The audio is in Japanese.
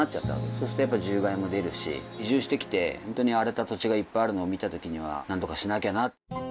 そうするとやっぱ獣害も出るし移住してきてホントに荒れた土地がいっぱいあるのを見た時には何とかしなきゃな。